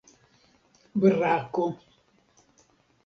brako